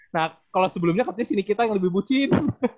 nah kalo sebelumnya katanya si nikita yang lebih bucin